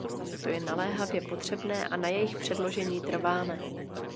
To je naléhavě potřebné a na jejich předložení trváme.